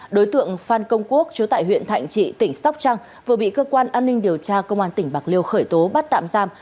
đối tượng phan công quốc chú tại huyện thạnh trị tỉnh sóc trăng vừa bị cơ quan an ninh điều tra công an tỉnh bạc liêu khởi tố bắt tạm giam